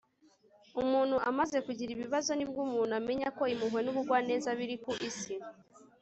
umuntu amaze kugira ibibazo ni bwo umuntu amenya ko impuhwe n'ubugwaneza biri ku isi